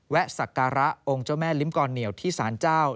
สักการะองค์เจ้าแม่ลิ้มกรเหนียวที่สารเจ้า